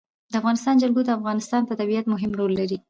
د افغانستان جلکو د افغانستان په طبیعت کې مهم رول لري.